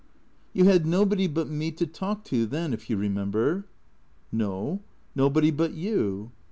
" You had nobody but me to talk to then, if you remember." " No. Nobody but you."